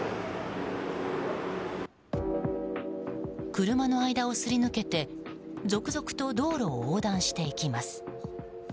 車の間をすり抜けて続々と道路を横断していきます。